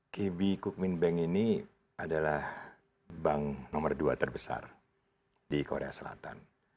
kb kukmin bank ini adalah bank nomor dua terbesar di korea selatan